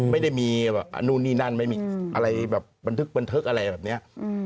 ไม่ได้มีแบบนู่นนี่นั่นไม่มีอะไรแบบบันทึกบันทึกอะไรแบบนี้